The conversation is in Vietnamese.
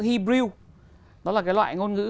hebrew đó là cái loại ngôn ngữ